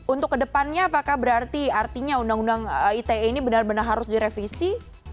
untuk kedepannya apakah berarti artinya undang undang ite ini benar benar harus direvisi